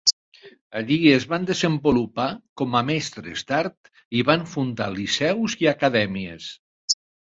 Allí es van desenvolupar com a mestres d'art i van fundar liceus i acadèmies.